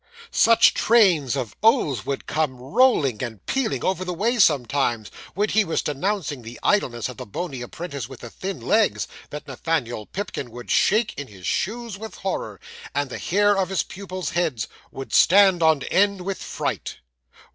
Such trains of oaths would come rolling and pealing over the way, sometimes, when he was denouncing the idleness of the bony apprentice with the thin legs, that Nathaniel Pipkin would shake in his shoes with horror, and the hair of the pupils' heads would stand on end with fright.